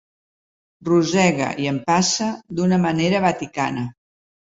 Rosega i empassa d'una manera vaticana.